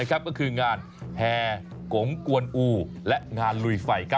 ก็คืองานแห่กงกวนอูและงานลุยไฟ